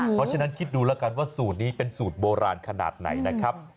เพราะฉะนั้นคิดดูแล้วกันว่าสูตรนี้เป็นสูตรโบราณขนาดไหนนะครับ